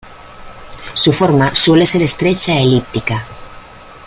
Su forma suele ser estrecha elíptica.